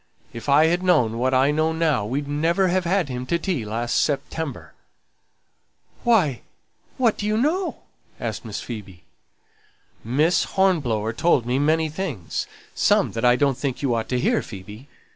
If I had known what I know now we'd never have had him to tea last September." "Why, what do you know?" asked Miss Phoebe. "Miss Hornblower told me many things; some that I don't think you ought to hear, Phoebe.